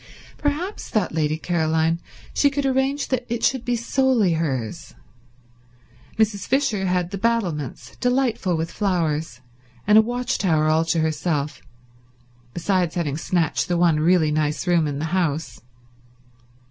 Perhaps, thought Lady Caroline, she could arrange that it should be solely hers. Mrs. Fisher had the battlements, delightful with flowers, and a watch tower all to herself, besides having snatched the one really nice room in the house.